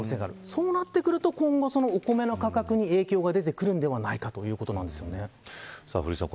そうなってくると今後お米の価格に影響が出てくるんではないか古市さん